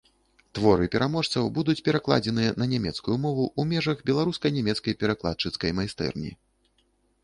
Творы пераможцаў будуць перакладзеныя на нямецкую мову ў межах беларуска-нямецкай перакладчыцкай майстэрні.